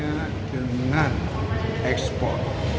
hanya dengan ekspor